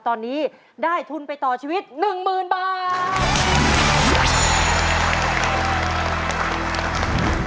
ตอนนี้ได้ทุนไปต่อชีวิต๑๐๐๐บาท